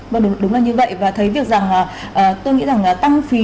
vâng đúng là như vậy và thấy việc rằng tôi nghĩ rằng tăng phí